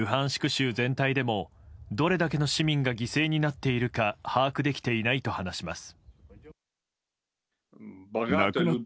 州全体でもどれだけの市民が犠牲になっているか把握できていないと話します。